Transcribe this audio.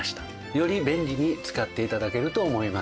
より便利に使って頂けると思います。